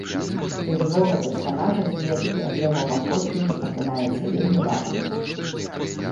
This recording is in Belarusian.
Для любога персанажа звесткі аб яго паходжанні апынаюцца вельмі важнымі.